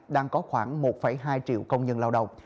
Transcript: đang có khoảng một hai triệu công nhân lao động